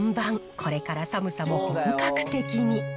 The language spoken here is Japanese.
これから寒さも本格的に。